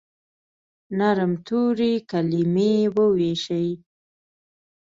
نرم توري، کلیمې وویشي